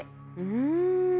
うん。